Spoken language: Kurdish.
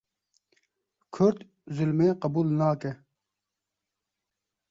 Kurd zilmê qebûl nake